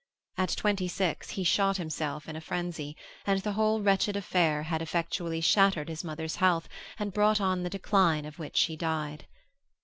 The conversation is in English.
At twenty six he shot himself in a frenzy, and the whole wretched affair had effectually shattered his mother's health and brought on the decline of which she died.